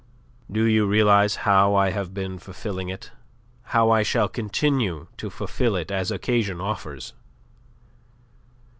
Do you realize how I have been fulfilling it, how I shall continue to fulfil it as occasion offers?